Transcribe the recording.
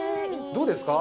どうですか？